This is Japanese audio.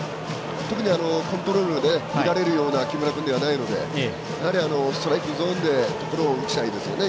特にコントロール乱れるような木村君ではないのでストライクゾーンで打ちたいですよね。